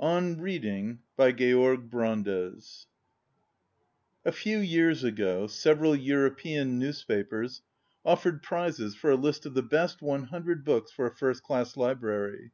A. \ ON READING On Reading A FEW years ago several Euro pean newspapers offered prizes for a list of the best one hundred books for a first class library.